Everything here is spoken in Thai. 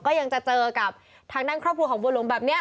ยังจะเจอกับทางด้านครอบครัวของบัวหลวงแบบนี้